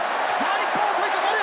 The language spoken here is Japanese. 日本襲いかかる！